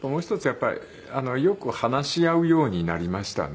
やっぱりよく話し合うようになりましたね。